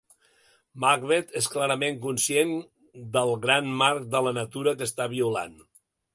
Macbeth és clarament conscient de el gran marc de la natura que està violant.